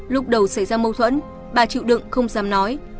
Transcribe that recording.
lúc đầu xảy ra mâu thuẫn bà chịu đựng không dám nói